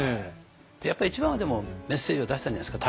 やっぱり一番はメッセージを出したんじゃないですか？